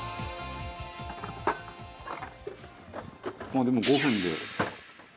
「まあでも５分で。